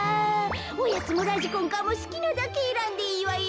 「おやつもラジコンカーもすきなだけえらんでいいわよ」。